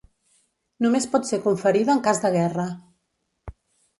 Només pot ser conferida en cas de guerra.